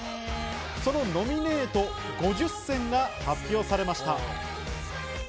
そのノミネート５０選が発表されました。